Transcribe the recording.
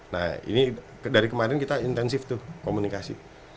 nah ini dari kemarin kita intensif tuh komunikasi